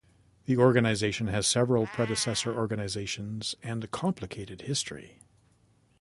The organization has several predecessor organizations and a complicated history.